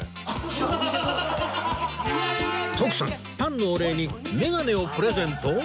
徳さんパンのお礼にメガネをプレゼント！？